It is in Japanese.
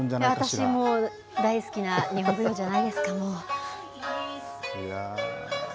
私、もう大好きな日本舞踊じゃないですか。